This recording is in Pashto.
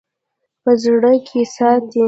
په زړه کښې ساتي--